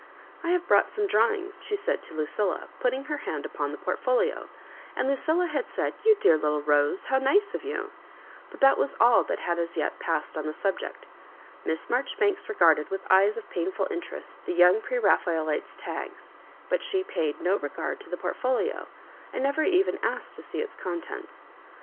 " I have brought some drawings," she said to Lucilla, putting her hand upon the portfolio; and Lucilla had said, " You dear little Rose, how nice of you 1 "— but that was all that had as yet passed on the subject Miss Marjoribanks regarded with eyes of painful interest the young Prera phaelite's tags, but she paid no regard to the portfolio, and never even asked to see its con tents.